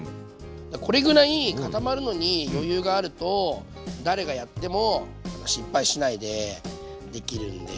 これぐらい固まるのに余裕があると誰がやっても失敗しないでできるんで。